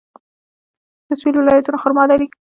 د سویل ولایتونه خرما لري.